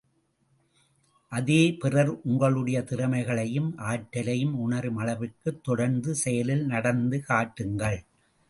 அதே பிறர், உங்களுடைய திறமைகளையும் ஆற்றலையும் உணரும் அளவிற்கு தொடர்ந்து செயலில் நடந்து காட்டுங்கள்!